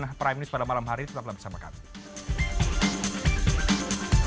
nah prime news pada malam hari tetaplah bersama kami